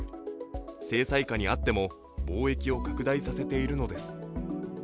制裁下にあっても、貿易を拡大させているのです。